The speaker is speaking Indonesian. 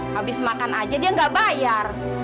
habis makan saja dia tidak bayar